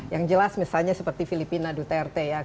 yang jelas misalnya seperti filipina duterte ya